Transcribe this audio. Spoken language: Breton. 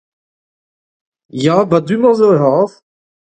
Ya, 'ba du-mañ zo ur c'hazh.